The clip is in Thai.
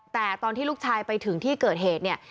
แต่ตอนที่ลูกชายไปถึงที่เกิดเหตุเนี่ย